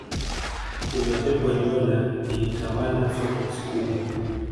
timu ya pep guardiola ilitawala soka usiku huo